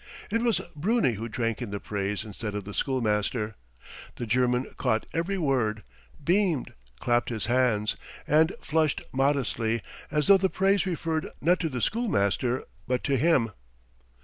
It was Bruni who drank in the praise instead of the schoolmaster. The German caught every word, beamed, clapped his hands, and flushed modestly as though the praise referred not to the schoolmaster but to him.